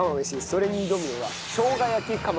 それに挑むのが。